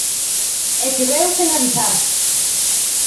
É que veu sen avisar.